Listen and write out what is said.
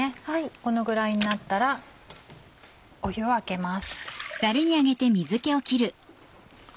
このぐらいになったら湯をあけます。